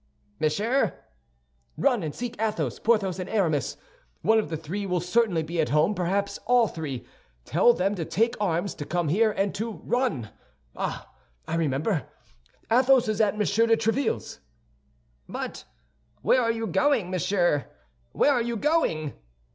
"Monsieur." "Run and seek Athos, Porthos and Aramis. One of the three will certainly be at home, perhaps all three. Tell them to take arms, to come here, and to run! Ah, I remember, Athos is at Monsieur de Tréville's." "But where are you going, monsieur, where are you going?"